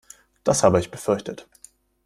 Das habe ich befürchtet.